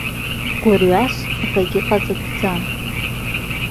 Гәырҩас акагьы ҟаҵатәӡам.